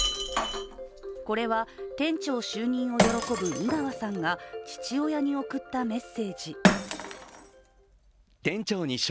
これは店長就任を喜ぶ井川さんが父親に送ったメッセージ。